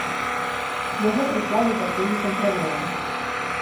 Яго прыслалі з акругі кантралёрам.